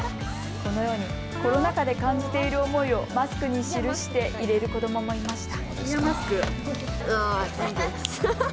このようにコロナ禍で感じている思いをマスクに記して入れる子どももいました。